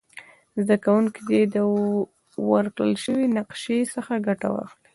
زده کوونکي دې د ورکړ شوې نقشي څخه ګټه واخلي.